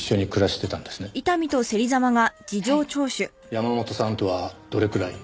山本さんとはどれくらい？